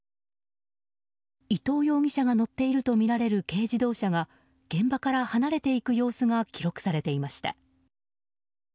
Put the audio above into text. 伊藤容疑者が乗っているとみられる軽自動車が現場から離れていく様子が記録されていました。